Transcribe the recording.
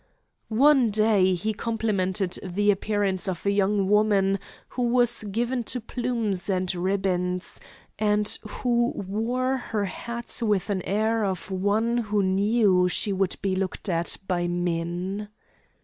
One day he complimented the appearance of a young woman who was given to plumes and ribbons, and who wore her hat with an air of one who knew she would be looked at by men.